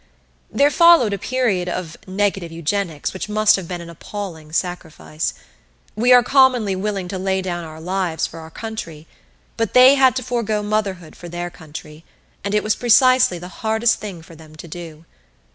There followed a period of "negative eugenics" which must have been an appalling sacrifice. We are commonly willing to "lay down our lives" for our country, but they had to forego motherhood for their country and it was precisely the hardest thing for them to do.